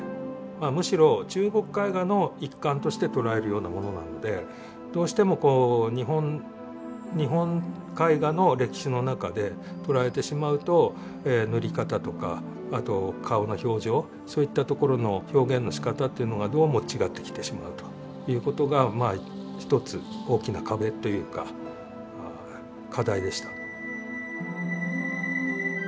まあむしろ中国絵画の一環として捉えるようなものなのでどうしてもこう日本絵画の歴史の中で捉えてしまうと塗り方とかあと顔の表情そういったところの表現のしかたというのがどうも違ってきてしまうということがまあ一つ大きな壁というか課題でした。